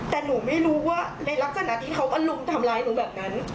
แต่หนูไม่รู้ว่าในลักษณะที่เขามาลุมทำร้ายหนูแบบนั้น